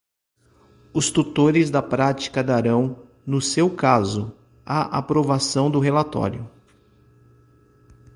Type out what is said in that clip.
Os tutores da prática darão, no seu caso, a aprovação do relatório.